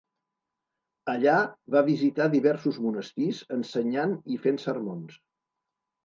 Allà va visitar diversos monestirs, ensenyant i fent sermons.